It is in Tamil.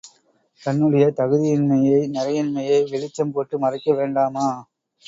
தன்னுடைய தகுதியின்மையை நிறையின்மையை வெளிச்சம் போட்டு மறைக்க வேண்டாமா?